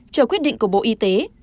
chờ quyết định của bộ y tế